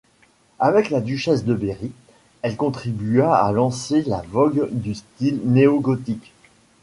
Avec la duchesse de Berry, elle contribua à lancer la vogue du style néo-gothique.